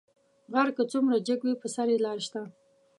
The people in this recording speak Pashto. غر کۀ څومره جګ دى، پۀ سر يې لار شته.